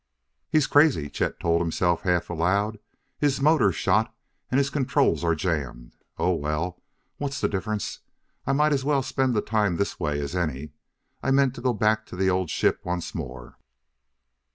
"He's crazy," Chet told himself half aloud: "his motor's shot and his controls are jammed! Oh, well; what's the difference? I might as well spend the time this way as any. I meant to go back to the old ship once more."